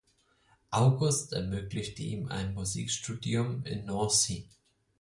August ermöglichte ihm ein Musikstudium in Nancy.